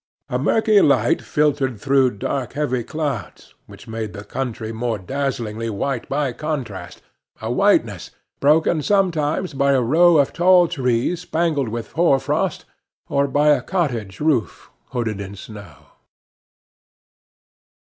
A murky light filtered through dark, heavy clouds, which made the country more dazzlingly white by contrast, a whiteness broken sometimes by a row of tall trees spangled with hoarfrost, or by a cottage roof hooded in snow.